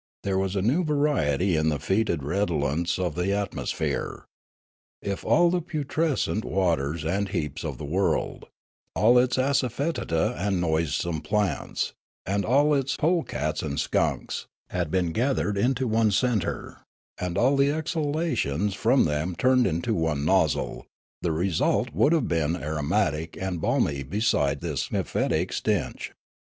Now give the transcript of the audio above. There was a new variety in the fetid redolence of the atmosphere. If all the putrescent waters and heaps of the world, all its assafoetida and noisome plants, and all its polecats and skunks, had been gathered into one centre, and all the exhalations from them turned into one nozzle, the result would have been aromatic and balmy beside this mephilic stench.